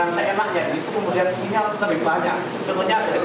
karena biasanya kondus di daerah itu